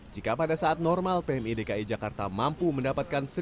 jika pada saat normal pem idki jakarta mampu mendapatkan